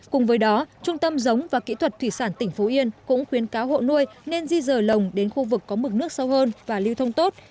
cùng với đó trung tâm giống và kỹ thuật thủy sản tỉnh phú yên cũng khuyến cáo hộ nuôi nên di rời lồng đến khu vực có mực nước sâu hơn và lưu thông tốt